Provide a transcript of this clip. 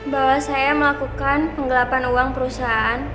bahwa saya melakukan penggelapan uang perusahaan